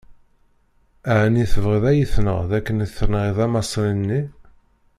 Ɛni tebɣiḍ ad yi-tenɣeḍ akken i tenɣiḍ Amaṣri-nni?